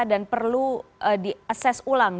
dan perlu di assess ulang